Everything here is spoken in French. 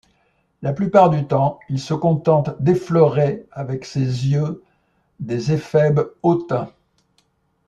La plupart du temps, il se contente d'effleurer avec ses yeux des éphèbes hautains.